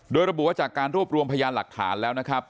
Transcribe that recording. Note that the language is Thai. โดยระบุว่าจากการรวบรวมพยานหลักฐานแล้วนะครับ